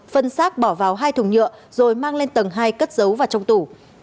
phân xác bỏ vào hai thùng nhựa rồi mang lên tầng hai cất giấu và trong tủ